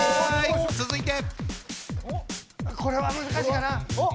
続いて。